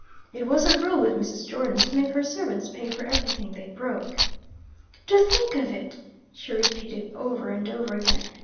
(It was a rule with Mrs. Jordon to make her servants pay for every thing they broke.) "To think of it!" she repeated over and over again.